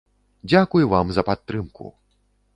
Дзякуй вам за падтрымку!